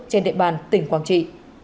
trên địa bàn tỉnh quảng trị